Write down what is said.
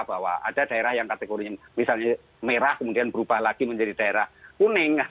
bahwa ada daerah yang kategorinya misalnya merah kemudian berubah lagi menjadi daerah kuning